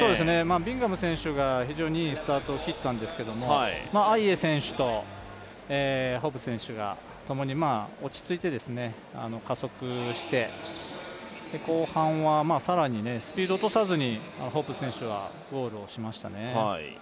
ビンガム選手が非常にいいスタートを切ったんですけどアイエ選手とホッブス選手がともに落ち着いて加速して、後半は更にスピードを落とさずにホッブス選手はゴールをしましたね。